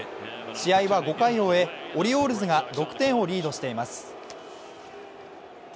試合は５回を終えオリオールズが６点をリードしています。